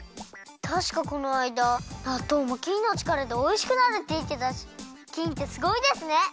たしかこのあいだなっとうもきんのちからでおいしくなるっていってたしきんってすごいですね！